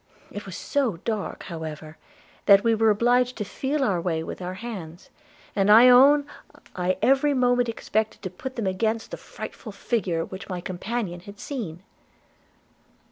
It was so dark, however, that we were obliged to feel our way with our hands; and I own I every moment expected to put them against the frightful figure which my companion had seen.'